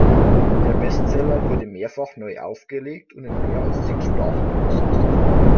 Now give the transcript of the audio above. Der Bestseller wurde mehrfach neu aufgelegt und in mehr als zehn Sprachen übersetzt.